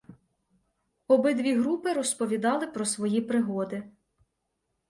Обидві групи розповідали про свої пригоди.